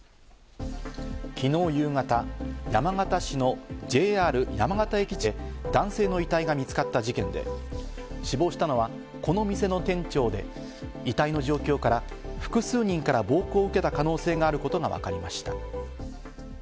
昨日夕方、山形市のＪＲ山形駅近くの飲食店で男性の遺体が見つかった事件で、死亡したのはこの店の店長で、遺体の状況から複数人から暴行を受けた可能性があることがわかりました。